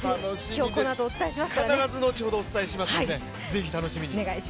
必ず後ほどお伝えしますので、ぜひ楽しみに。